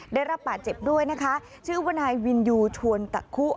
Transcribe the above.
ได้รับบาดเจ็บด้วยนะคะชื่อว่านายวินยูชวนตะคุ